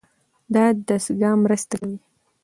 دا دستګاه مرسته کوي.